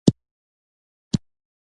ته ورشه ! هلته یې پوښتنه وکړه